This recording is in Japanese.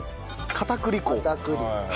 片栗粉。